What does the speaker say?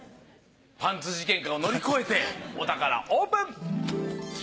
パンツ事件を乗り越えてお宝オープン。